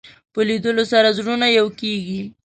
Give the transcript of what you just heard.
په لیدلو سره زړونه یو کېږي